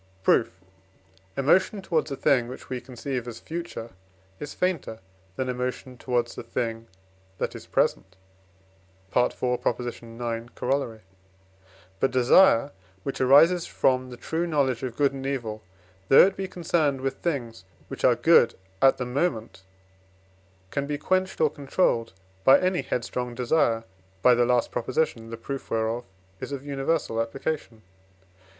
Proof. Emotion towards a thing, which we conceive as future, is fainter than emotion towards a thing that is present (IV. ix. Coroll.). But desire, which arises from the true knowledge of good and evil, though it be concerned with things which are good at the moment, can be quenched or controlled by any headstrong desire (by the last Prop., the proof whereof is of universal application).